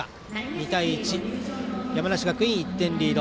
２対１、山梨学院、１点リード。